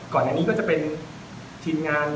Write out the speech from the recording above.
ก่อนอันนี้ก็จะเป็นทีมงาน